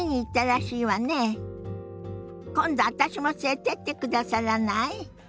今度私も連れてってくださらない？